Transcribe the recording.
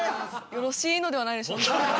よろしいのではないでしょうか。